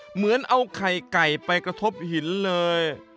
เหมือนเอาไข่ไก่ไปกระทบหินเลย